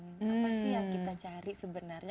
apa sih yang kita cari sebenarnya